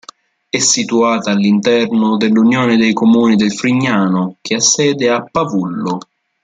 È situata all'interno della Unione dei comuni del Frignano, che ha sede a Pavullo.